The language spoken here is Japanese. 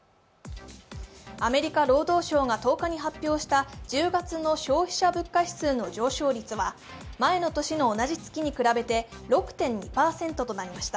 アメリカ労働省が１０日に発表した１０月の消費者物価指数の上昇率は前の年の同じ月に比べて６．２％となりました。